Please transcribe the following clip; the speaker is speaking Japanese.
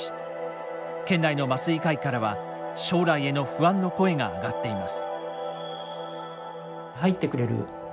県内の麻酔科医からは将来への不安の声が上がっています。